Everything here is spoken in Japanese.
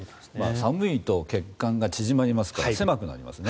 寒いと血管が縮まりますから狭くなりますね。